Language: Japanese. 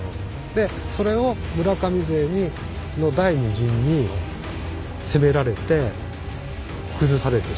でそれを村上勢の第２陣に攻められて崩されてしまう。